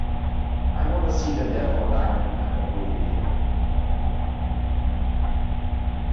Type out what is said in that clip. I want to see The Devil Diamond at a movie theatre.